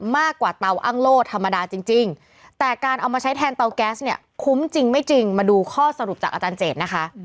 มากกว่าเตาอ้างโล่ธรรมดาจริงแต่การเอามาใช้แทนเตาแก๊สเนี่ยคุ้มจริงไม่จริงมาดูข้อสรุปจากอาจารย์เจดนะคะ